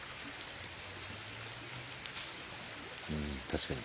うん確かに。